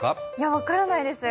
分からないです。